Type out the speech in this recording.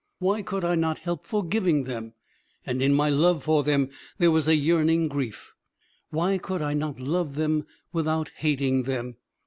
why could I not help forgiving them? and in my love for them there was a yearning grief: why could I not love them without hating them?